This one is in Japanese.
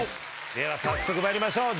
では早速参りましょう。